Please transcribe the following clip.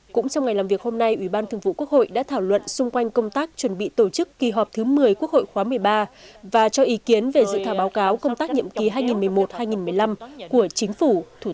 cũng trong ngày làm việc hôm nay ủy ban thường vụ quốc hội đã thảo luận xung quanh công tác chuẩn bị tổ chức kỳ họp thứ một mươi quốc hội khóa một mươi ba và cho ý kiến về dự thảo báo cáo công tác nhiệm kỳ hai nghìn một mươi một hai nghìn một mươi năm của chính phủ